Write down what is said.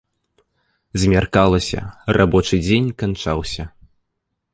Змяркалася, рабочы дзень канчаўся.